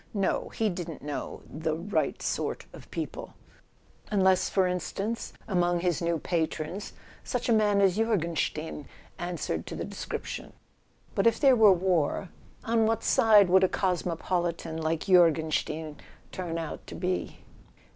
No, he didn't know "the right sort of people" ... unless, for instance, among his new patrons, such a man as Jorgenstein answered to the description. But, if there were war, on what side would a cosmo¬ politan like Jorgenstein turn out to be